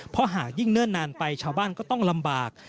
เพราะหากยิ่งเนิ่นนานไปชาวบ้านก็ต้องลำบาก